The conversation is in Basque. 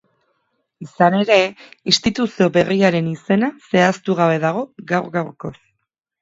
Izan ere, instituzio berriaren izena zehaztugabe dago gaur-gaurkoz.